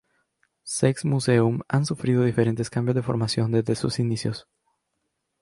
Sex Museum han sufrido diferentes cambios de formación desde sus inicios.